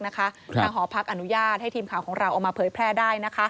ทางหอพักอนุญาตให้ทีมข่าวของเราเอามาเผยแพร่ได้